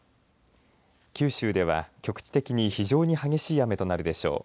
九州では局地的に非常に激しい雨となるでしょう。